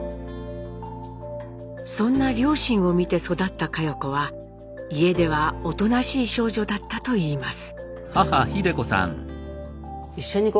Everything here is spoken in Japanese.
そんな両親を見て育った佳代子は家ではおとなしい少女だったといいます。